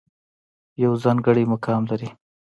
يو ځانګړے مقام لري